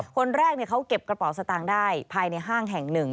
คนแรกเขาเก็บกระเป๋าสตางค์ได้ภายในห้างแห่งหนึ่ง